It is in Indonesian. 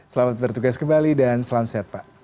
selamat bertugas kembali dan selamat sehat pak